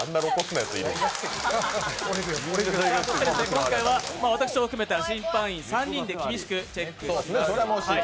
今回は私を含めた審判員３人で厳しくチェックします。